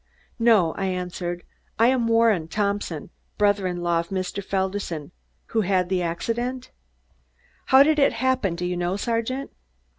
"No," I answered, "I am Warren Thompson, brother in law of Mr. Felderson, who had the accident. How did it happen, do you know, Sergeant?"